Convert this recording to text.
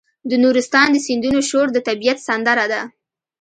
د نورستان د سیندونو شور د طبیعت سندره ده.